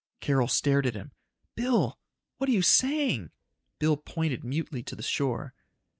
Carol stared at him. "Bill, what are you saying?" Bill pointed mutely to the shore.